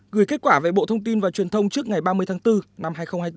gửi kết quả về bộ thông tin và truyền thông trước ngày ba mươi tháng bốn năm hai nghìn hai mươi bốn